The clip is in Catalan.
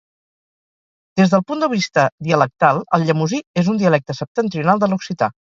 Des del punt de vista dialectal el llemosí és un dialecte septentrional de l'occità.